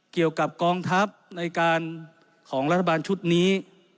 เกี่ยวกับกองทัพในการของรัฐบาลชุดนี้